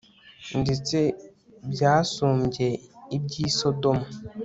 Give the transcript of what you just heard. ndetse byasumbye ibyi sodomu